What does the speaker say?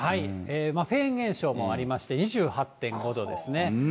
フェーン現象もありまして、２８．５度ですね。